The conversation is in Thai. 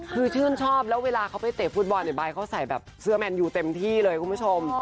คือชื่นชอบแล้วเวลาเขาไปเตะฟุตบอลเนี่ยบายเขาใส่แบบเสื้อแมนยูเต็มที่เลยคุณผู้ชม